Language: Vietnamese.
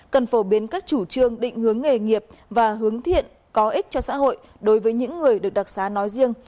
cần phổ biến các chủ trương định hướng nghề nghiệp và hướng thiện có ích cho xã hội đối với những người được đặc xá nói riêng